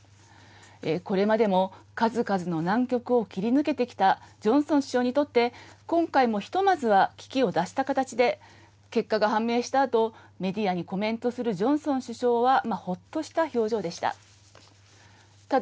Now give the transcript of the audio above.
これまでも数々の難局を切り抜けてきたジョンソン首相にとって、今回もひとまずは危機を脱した形で、結果が判明したあと、メディアにコメントするジョンソン首相は、ほっとした表情でした。